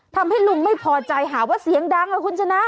ทำให้ลุงไม่พอใจหาว่าเสียงดังล่ะคุณชนะ